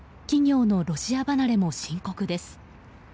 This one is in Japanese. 企業のロシア離れも深刻です。